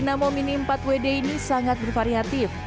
nama mini empat wd ini sangat bervariatif